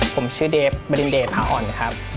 ผมชื่อเดฟบรินเดชพาอ่อนครับ